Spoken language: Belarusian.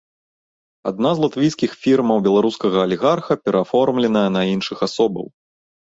Адна з латвійскіх фірмаў беларускага алігарха перааформленая на іншых асобаў.